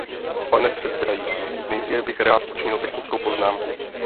Pane předsedající, nejdříve bych rád učinil technickou poznámku.